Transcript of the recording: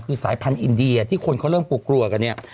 คือสายพันธุ์อินเดียที่คนเขาเริ่มกลัวกัน